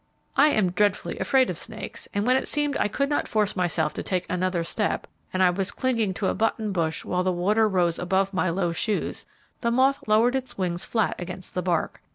I am dreadfully afraid of snakes, and when it seemed I could not force myself to take another step, and I was clinging to a button bush while the water arose above my low shoes, the moth lowered its wings flat against the bark.